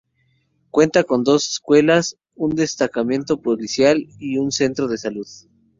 Cuenta con dos escuelas, un destacamento policial, y un centro de salud.